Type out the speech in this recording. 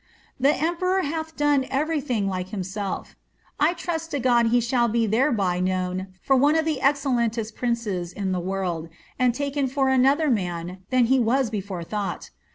The emperor haih done every thing like himsel£ I trust to God he shall be tltereby known for one of the exoellentest princes in the world, and taken for another man than he was before thought.